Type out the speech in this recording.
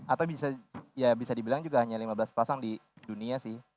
atau ya bisa dibilang juga hanya lima belas pasang di dunia sih